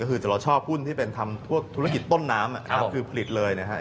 เราชอบหุ้นที่ทำธุรกิจต้นน้ำคือผลิตเลยนะครับ